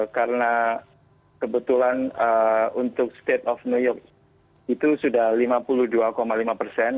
karena kebetulan untuk state of new york itu sudah lima puluh dua lima persen